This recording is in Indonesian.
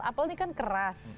apel ini kan keras